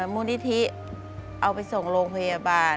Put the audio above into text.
มูลนิธิเอาไปส่งโรงพยาบาล